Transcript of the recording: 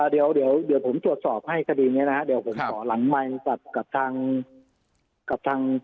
เดี๋ยวผมตรวจสอบให้สดีนี้นะครับเดี๋ยวผมตรวจสอบหลังมายนตรับกับทาง